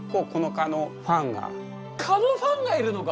蚊のファンがいるのか！